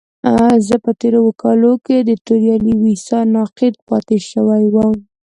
زه په تېرو اوو کالو کې د توريالي ويسا ناقد پاتې شوی يم.